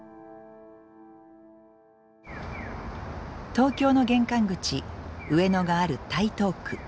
東京の玄関口上野がある台東区。